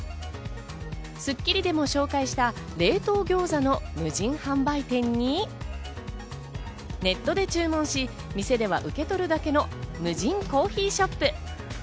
『スッキリ』でも紹介した冷凍餃子の無人販売店にネットで注文し、店では受け取るだけの無人コーヒーショップ。